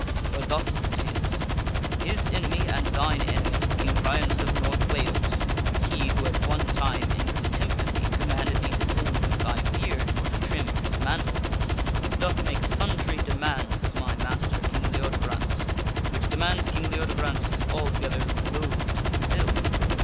For thus it is : His enemy and thine enemy, King Ryence of North Wales (he who at one time in contempt of thee commanded thee to send him thy beard for to comes " trim his mantle), doth make sundry demands of my master, King Leodegrance, which demands King Leodegrance is al together loath to fulfil.